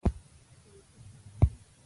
فوجي سلام وکړ.